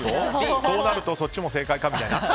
そうなるとそっちも正解かみたいな。